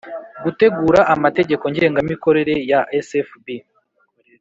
Gutegura amategeko ngengamikorere ya sfb